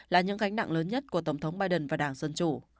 là những gánh nặng lớn nhất của tổng thống biden và đảng dân chủ